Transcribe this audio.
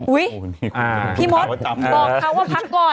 อุ๊ยพี่มศบอกเค้าว่าพักก่อน